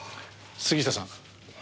杉下さん